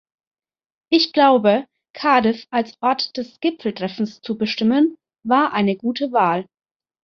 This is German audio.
Ich glaube, Cardiff als Ort des Gipfeltreffens zu bestimmen, war eine gute Wahl.